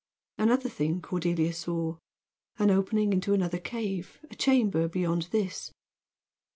Another thing Cordelia saw: an opening into another cave, a chamber beyond this.